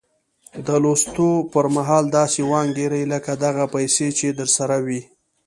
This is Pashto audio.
د لوستو پر مهال داسې وانګيرئ لکه دغه پيسې چې درسره وي.